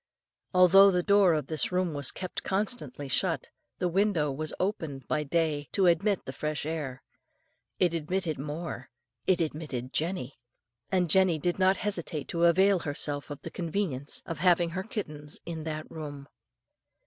"Although the door of this room was kept constantly shut, the window was opened by day to admit the fresh air. It admitted more, it admitted Jenny, and Jenny did not hesitate to avail herself of the convenience of having her kittens in that room.